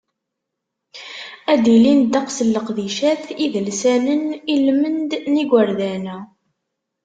Ad d-ilin ddeqs n leqdicat idelsanen i lmend n yigerdan-a.